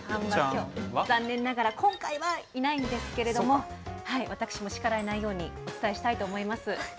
残念ながら、今回はいないんですけれども、私も叱られないようにお伝えしたいと思います。